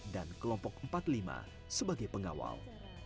dan kelompok empat puluh lima sebagai pengawal